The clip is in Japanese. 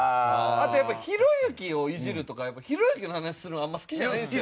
あとやっぱひろゆきをいじるとかひろゆきの話するのあんま好きじゃないんですよね。